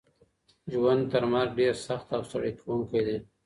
ژوند تر مرګ ډیر سخت او ستړی کوونکی دی.